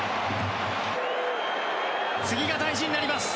次が大事になります。